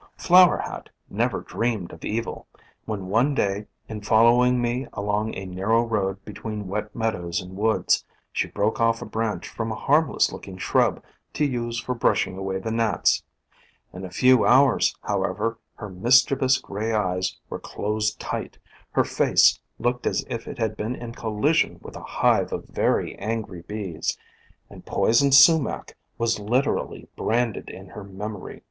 Flower Hat never dreamed of evil, when one day in following me along a narrow road between wet meadows and woods, she broke off a branch from a harmless looking shrub to use for brushing away the gnats. In a few hours, however, her mischievous gray eyes were closed tight, her face looked as if it had been in collision with a hive of very angry bees, and Poison Sumac was literally branded in her memory.